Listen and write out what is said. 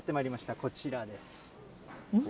こちらです。